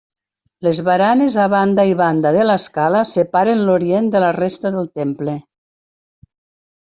Les baranes a banda i banda de l'escala separen l'orient de la resta del temple.